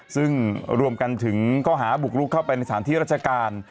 ซึ่งรวมกันถึงข้อหาบุกลุกเข้าไปในสถานที่ราชการ